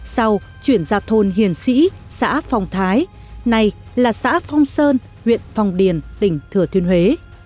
sau chuyển ra thôn hiền sĩ xã phong thái nay là xã phong sơn huyện phong điền tỉnh thừa thiên huế